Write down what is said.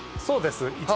そうです